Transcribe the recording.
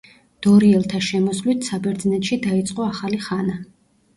დორიელთა შემოსვლით საბერძნეთში დაიწყო ახალი ხანა.